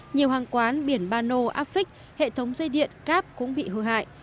nhiều hàng quán biển ban nô áp phích hệ thống dây điện cáp cũng bị hư hại